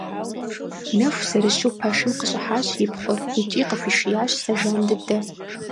Нэху зэрыщу пэшым къыщӀыхьащ и пхъур икӀи къыхуишиящ сэ жан дыдэ.